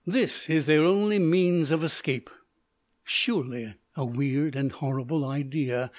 This is their only means of escape. Surely a weird and horrible idea!